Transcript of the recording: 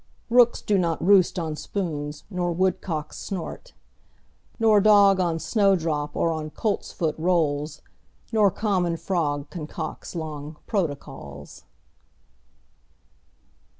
Rooks do not roost on spoons, nor woodcocks snort Nor dog on snowdrop or on coltsfoot rolls. Nor common frog concocts long protocols.